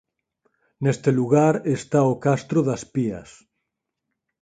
Neste lugar está o Castro das Pías.